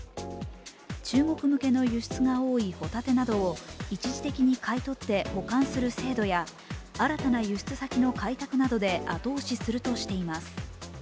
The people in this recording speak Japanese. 中国向けの輸出が多いほたてなどを一時的に買い取って保管する制度や新たな輸出先の開拓などで後押しするとしています。